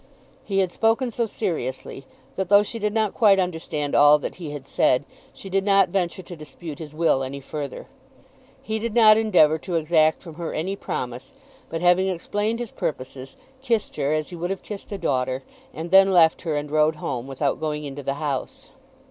He had spoken so seriously, that, though she did not quite understand all that he had said, she did not venture to dispute his will any further. He did not endeavour to exact from her any promise, but having explained his purposes, kissed her as he would have kissed a daughter, and then left her and rode home without going into the house.